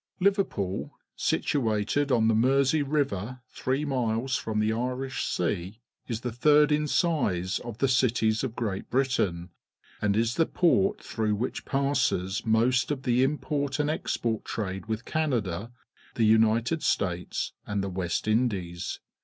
LiverjKigl, situated on the Mersey River three miles from the Irish Sea, is the third in size of the cities of Great Britain and is the port through which passes most of the import and expoi't trade with Canada, the United States, and the West Indies.